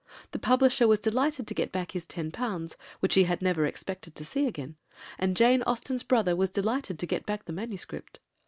The publisher was delighted to get back his £10, which he had never expected to see again, and Jane Austen's brother was delighted to get back the manuscript.